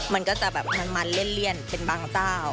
มันก็จะแบบมันเลี่ยนเป็นบางเจ้า